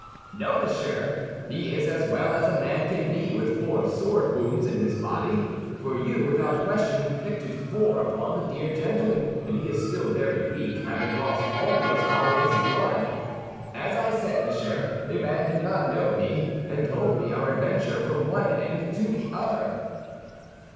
"No, monsieur, he is as well as a man can be with four sword wounds in his body; for you, without question, inflicted four upon the dear gentleman, and he is still very weak, having lost almost all his blood. As I said, monsieur, Lubin did not know me, and told me our adventure from one end to the other."